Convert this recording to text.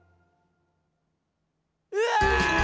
「うわ！